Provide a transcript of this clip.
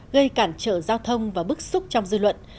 gây cản trở giao thông và bức xúc trong dư luận